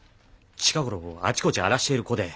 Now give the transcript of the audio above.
近ごろあちこち荒らしている子で。